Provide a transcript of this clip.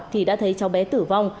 thì đã thấy cháu bé tử vong